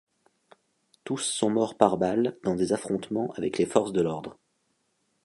Tous sont morts par balles dans des affrontements avec les forces de l'ordre.